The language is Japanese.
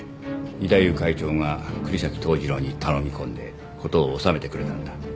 義太夫会長が國東統次郎に頼み込んで事を収めてくれたんだ